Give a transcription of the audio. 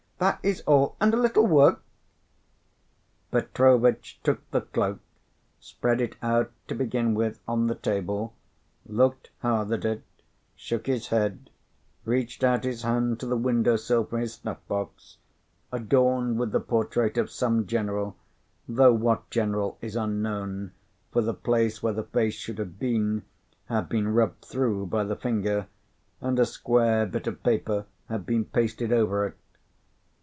that is all. And a little work " Petrovitch took the cloak, spread it out, to begin with, on the table, looked hard at it, shook his head, reached out his hand to the window sill for his snuff box, adorned with the portrait of some general, though what general is unknown, for the place where the face should have been had been rubbed through by the finger, and a square bit of paper had been pasted over it.